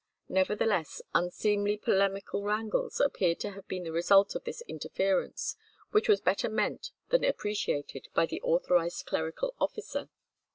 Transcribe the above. Nevertheless unseemly polemical wrangles appeared to have been the result of this interference, which was better meant than appreciated by the authorized clerical officer.